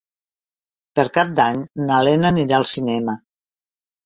Per Cap d'Any na Lena anirà al cinema.